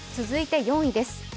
続いて４位です。